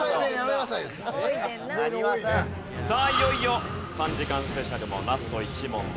いよいよ３時間スペシャルもラスト１問です。